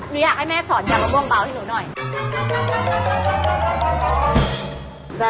อยากให้แม่สอนยามะม่วงเบาให้หนูหน่อย